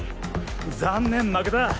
残念負けた。